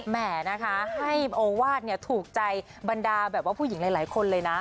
แหมนะคะให้โอวาสถูกใจบรรดาแบบว่าผู้หญิงหลายคนเลยนะ